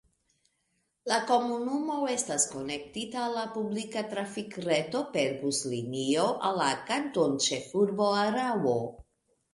La komunumo estas konektita al la publika trafikreto per buslinio al la kantonĉefurbo Araŭo.